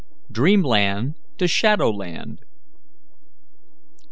DREAMLAND TO SHADOWLAND.